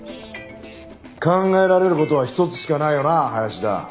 考えられる事は一つしかないよなあ林田。